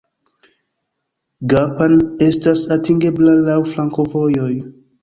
Gapan estas atingebla laŭ flankovojoj.